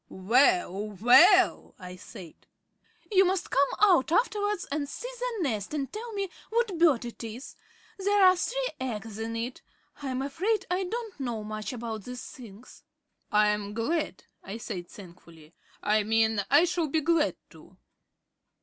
"Well, well!" I said. "You must come out afterwards and see the nest and tell me what bird it is. There are three eggs in it. I am afraid I don't know much about these things." "I'm glad," I said thankfully. "I mean, I shall be glad to."